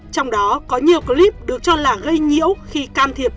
trong đó có nhiều clip được cho là gây nhiễu khi can thiệp